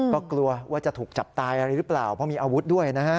ก็กลัวว่าจะถูกจับตายอะไรหรือเปล่าเพราะมีอาวุธด้วยนะฮะ